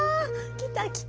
きたきた！